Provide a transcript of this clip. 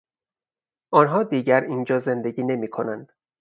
آنها دیگر اینجا زندگی نمیکنند.